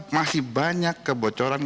masih banyak kebocoran